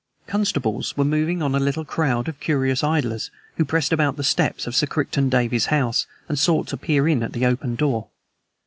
Constables were moving on a little crowd of curious idlers who pressed about the steps of Sir Crichton Davey's house and sought to peer in at the open door.